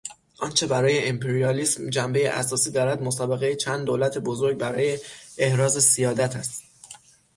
آنچه برای امپریالیسم جنبهٔ اساسی دارد مسابقهٔ چند دولت بزرگ برای احراز سیادت است.